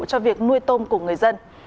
cho việc nuôi tôm của người dân